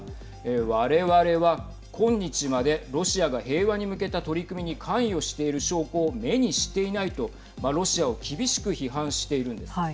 我々は、今日までロシアが平和に向けた取り組みに関与している証拠を目にしていないとロシアを厳しく批判しているんです。